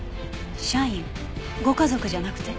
社員？ご家族じゃなくて？